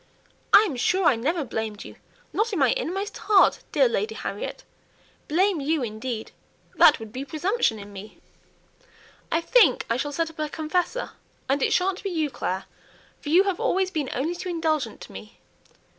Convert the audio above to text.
"I am sure I never blamed you, not in my innermost heart, dear Lady Harriet. Blame you, indeed! That would be presumption in me." "I think I shall set up a confessor! and it sha'n't be you, Clare, for you have always been only too indulgent to me."